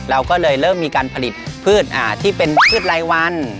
เราก็เลยเริ่มมีการผลิตพืชที่เป็นพืชรายวัน